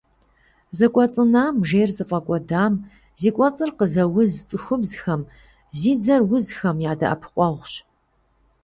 Зэкӏуэцӏынам, жейр зыфӏэкӏуэдам, зи кӏуэцӏыр къызэуз цӏыхубзхэм, зи дзэр узхэм я дэӏэпыкъуэгъущ.